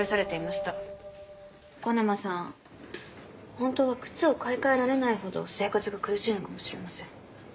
本当は靴を買い替えられないほど生活が苦しいのかもしれません。